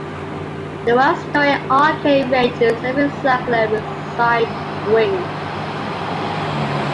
The one-story arcade range is semi-circular with side wings.